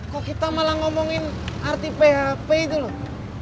kok kita malah ngomongin arti php itu loh